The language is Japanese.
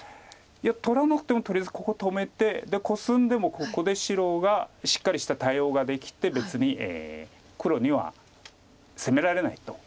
いや取らなくてもとりあえずここ止めてでコスんでもここで白がしっかりした対応ができて別に黒には攻められないと。